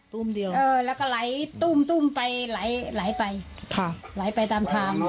้มเดียวแล้วก็ไหลตุ้มตุ้มไปไหลไปไหลไปตามทาง